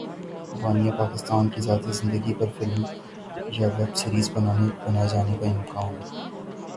بانی پاکستان کی ذاتی زندگی پر فلم یا ویب سیریز بنائے جانے کا امکان